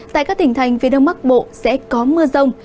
tại các tỉnh thành phía đông bắc bộ sẽ có mưa rông